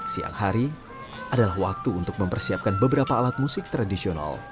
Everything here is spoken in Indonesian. siang hari adalah waktu untuk mempersiapkan beberapa alat musik tradisional